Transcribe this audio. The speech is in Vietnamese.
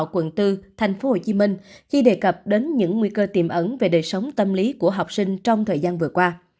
quận bốn tp hcm khi đề cập đến những nguy cơ tiềm ẩn về đời sống tâm lý của học sinh trong thời gian vừa qua